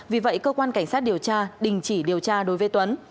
vì vậy cơ quan cảnh sát điều tra đình chỉ điều tra đối với tuấn